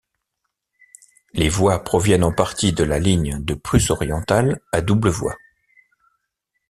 Les voies proviennent en partie de la ligne de Prusse-Orientale à double voie.